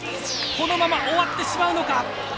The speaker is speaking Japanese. このまま終わってしまうのか。